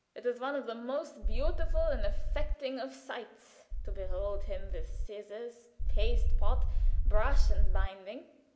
"It is one of the most beautiful and affecting of sights to behold him with scissors, paste pot, brush and binding.